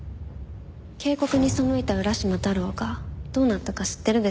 警告に背いた浦島太郎がどうなったか知ってるでしょ？